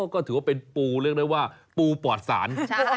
ก็ถือว่าเป็นปูเรียกได้ว่าปูปอดสาร